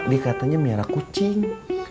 dikatanya merah kucing